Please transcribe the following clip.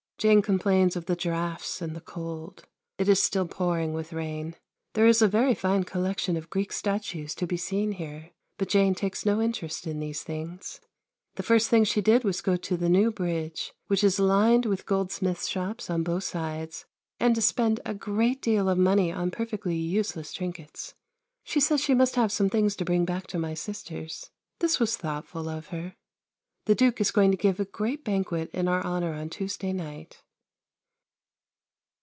Jane complains of the draughts and the cold. It is still pouring with rain. There is a very fine collection of Greek statues to be seen here, but Jane takes no interest in these things. The first thing she did was to go to the New bridge, which is lined with goldsmiths' shops on both sides and to spend a great deal of money on perfectly useless trinkets. She says she must have some things to bring back to my sisters. This was thoughtful of her. The Duke is going to give a great banquet in our honour on Tuesday next.